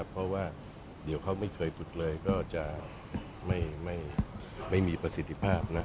เพราะว่าเดี๋ยวเขาไม่เคยฝึกเลยก็จะไม่มีประสิทธิภาพนะ